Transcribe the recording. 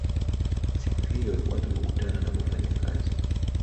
Siku hiyo watu hukutana na kufanya kazi